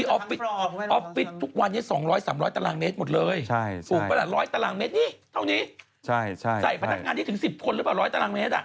ออฟฟิศทุกวันนี้๒๐๐๓๐๐ตารางเมตรหมดเลยสูงปะล่ะ๑๐๐ตารางเมตรนี้เท่านี้ใส่พนักงานได้ถึง๑๐คนหรือเปล่า๑๐๐ตารางเมตร